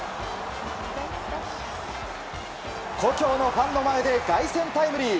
故郷のファンの前で凱旋タイムリー。